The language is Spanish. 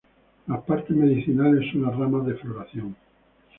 Las partes medicinales son las ramas de floración.